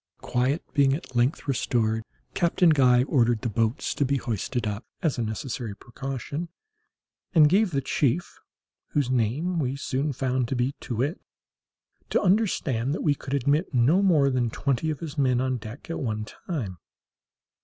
Quiet being at length restored, Captain Guy ordered the boats to be hoisted up, as a necessary precaution, and gave the chief (whose name we soon found to be Too wit) to understand that we could admit no more than twenty of his men on deck at one time.